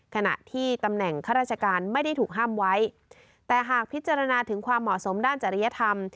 ขณะที่ตำแหน่งข้าราชการไม่ได้ถูกห้ามไว้แต่หากพิจารณาถึงความเหมาะสมด้านจริยธรรม